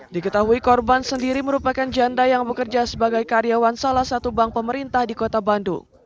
diketahui korban sendiri merupakan janda yang bekerja sebagai karyawan salah satu bank pemerintah di kota bandung